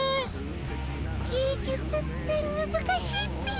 芸術ってむずかしいっピ。